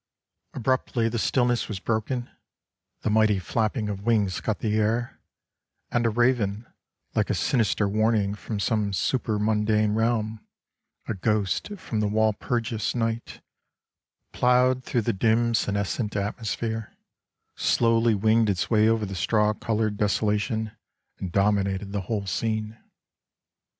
Abruptly the stillness was broken, the mighty flapping of wings cut the air, and a raven, like a sinister warning from some supermundane realm, a ghost from the Walpurgis night, ploughed through the dim senescent atmosphere, slowly winged its way over the straw colored desolation and dominated the whole scene.